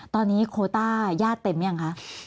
ตอนนี้โคต้าญาติเต็มหรือยังคะ